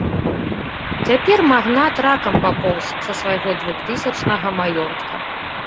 Цяпер магнат ракам папоўз з свайго двухтысячнага маёнтка.